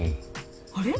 あれ？